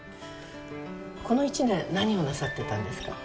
この１年何をなさってたんですか？